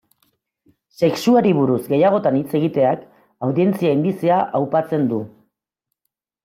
Sexuari buruz gehiagotan hitz egiteak, audientzia indizea aupatzen du.